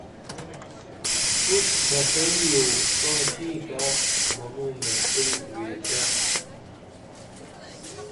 پُش بݜین یو تاں شینکہ منوں محفل ویچہ